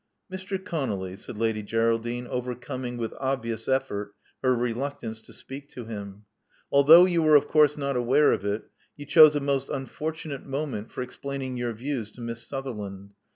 *'Mr. Conolly," said Lady Geraldine, overcoming, with obvious effort, her reluctance to speak to him: although you were of course not aware of it, you chose a most unfortunate moment for explaining your views to Miss Sutherland.